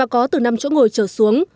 có từ năm chỗ ngồi chở xuống